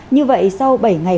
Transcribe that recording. như vậy sau bảy ngày khói